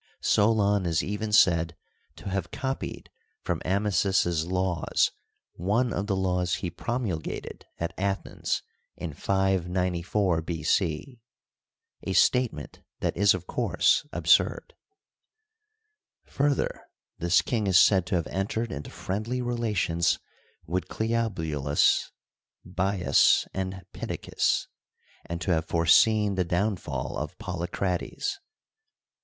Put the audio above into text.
Solon is even said to have copied from Amasis' Digitized byCjOOQlC THE EGYPTIAN RENAISSANCE. 131 laws one of the laws he promulgated at Athens in 594 B. C, a statement that is of course absurd. Further, this king is said to hav.e entered into friendly relations with Cleobulus, Bias, and Pittacus, and to have foreseen the downfall of Polycrates.